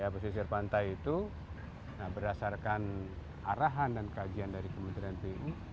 pesisir pantai itu berdasarkan arahan dan kajian dari kementerian pu